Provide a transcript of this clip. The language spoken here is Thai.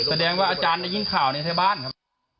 แสดงว่าอาจารย์ได้ยิ่งข่าวในแถวบ้านครับ